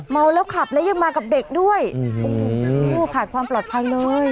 เมาแล้วขับแล้วยังมากับเด็กด้วยโอ้โหขาดความปลอดภัยเลย